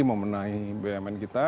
memenahi bnm kita